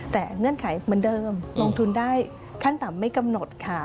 แต่เงื่อนไขเหมือนเดิมลงทุนได้ขั้นต่ำไม่กำหนดค่ะ